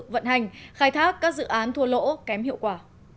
vận hành khai thác các dự án thua lỗ kém hiệu quả